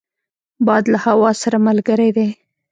باد له هوا سره ملګری دی